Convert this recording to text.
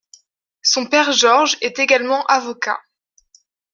Son père Georges est également avocat.